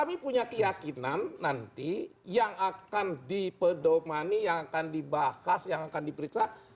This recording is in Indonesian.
kami punya keyakinan nanti yang akan dipedomani yang akan dibahas yang akan diperiksa